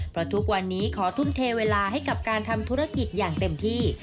เพราะทุกวันนี้ขอทุ่มเทเวลาให้กับการทำธุรกิจอย่างเต็มที่